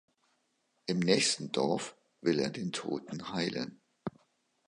Im nächsten Dorf will er den Toten heilen.